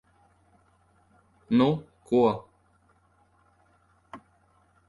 Nu ko...